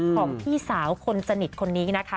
ของพี่สาวคนสนิทคนนี้นะคะ